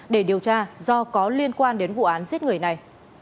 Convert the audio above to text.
để điều tra do có liên quan đến vụ án giết người này